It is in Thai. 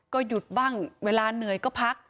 ก็หยุดบ้างเวลาเหนื่อยก็พัก